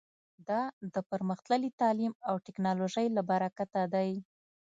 دا د پرمختللي تعلیم او ټکنالوژۍ له برکته دی